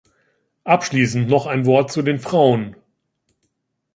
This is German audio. Abschließend noch ein Wort zu den Frauen.